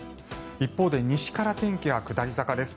一方で西から天気は下り坂です。